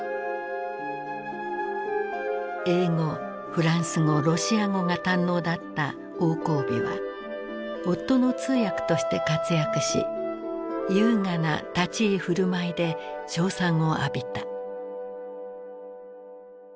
英語フランス語ロシア語が堪能だった王光美は夫の通訳として活躍し優雅な立ち居振る舞いで称賛を浴びた。